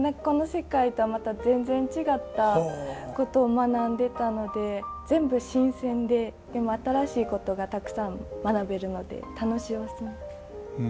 この世界とはまた全然違ったことを学んでたので全部新鮮ででも新しいことがたくさん学べるので楽しいおす。